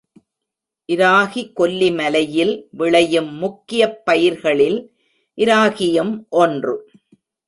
இராகி கொல்லிமலையில் விளையும் முக்கியப் பயிர்களில் இராகியும் ஒன்று.